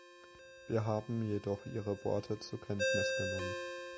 Wir haben jedoch Ihre Worte zur Kenntnis genommen.